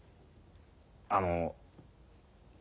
あの。